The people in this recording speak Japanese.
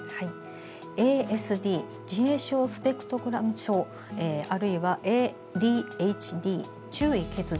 ＡＳＤ＝自閉スペクトラム症あるいはＡＤＨＤ＝注意欠如